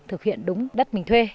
thực hiện đúng đất mình thuê